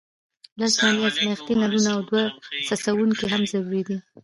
لس دانې ازمیښتي نلونه او دوه څڅونکي هم ضروري دي.